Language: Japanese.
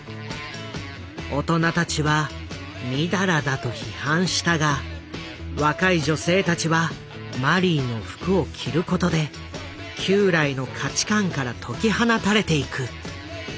大人たちは「淫らだ」と批判したが若い女性たちはマリーの服を着ることで旧来の価値観から解き放たれていく。